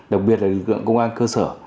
đặc biệt là lực lượng công an cơ sở